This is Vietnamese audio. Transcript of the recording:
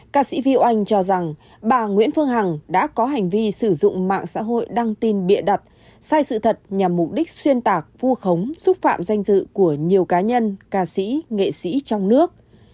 ca sĩ viu anh cho rằng bà nguyễn phương hằng đã có hành vi sử dụng mạng xã hội đăng tin bịa đặt sai sự thật nhằm mục đích xuyên tạc vu khống xúc phạm danh dự của nhiều cá nhân ca sĩ nghệ sĩ trong nước